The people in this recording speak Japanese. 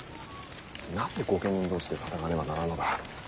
なぜ御家人同士で戦わねばならぬのだ。